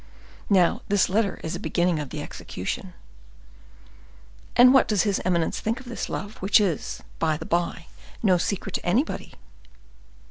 Now this letter is a beginning of the execution." "And what does his eminence think of this love, which is, by the bye, no secret to anybody?"